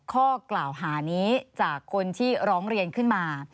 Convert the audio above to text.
ข้อกล่าวหานี้จากคนที่ร้องเรียนขึ้นมา